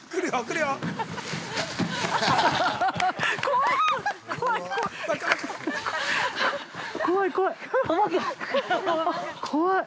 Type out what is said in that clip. ◆怖い怖い。